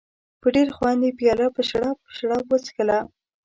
په ډېر خوند یې پیاله په شړپ شړپ وڅښله.